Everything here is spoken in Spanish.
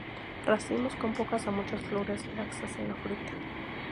Racimos con pocas a muchas flores, laxas en la fruta.